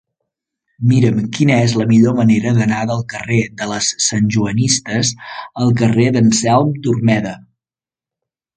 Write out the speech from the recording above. Mira'm quina és la millor manera d'anar del carrer de les Santjoanistes al carrer d'Anselm Turmeda.